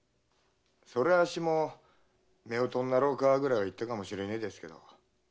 そりゃあっしも「夫婦になろうか」ぐらいは言ったかもしれねえですけど。